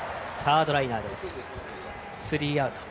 スリーアウト。